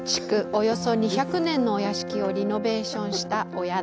およそ２００年のお屋敷をリノベーションしたお宿。